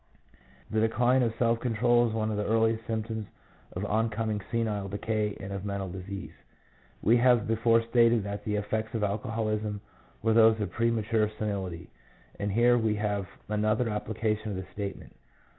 The decline of self control is one of the earliest symptoms of on coming senile decay and of mental disease. We have before stated that the effects of alcoholism were those of premature senility, and here we have another application of the statement.